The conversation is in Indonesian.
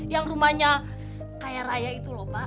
yang rumahnya kaya raya itu lho pak